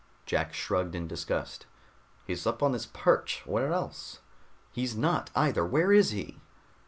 Jack shrugged in disgust. "He's up on his perch. Where else?" "He's not either! Where is he?"